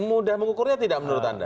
mudah mengukurnya tidak menurut anda